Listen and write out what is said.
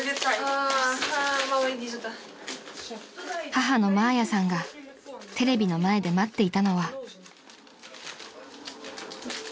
［母のマーヤさんがテレビの前で待っていたのは］